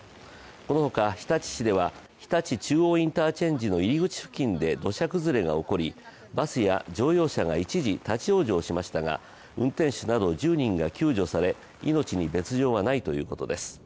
この他、日立市では日立中央インターチェンジの入り口付近で土砂崩れが起こりバスや乗用車が一時立ち往生しましたが運転手など１０人が救助され命に別状はないということです。